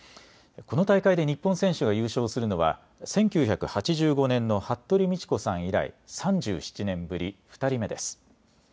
この大会で日本選手が優勝するのは、１９８５年の服部道子さん以来３７年ぶり、２人目です。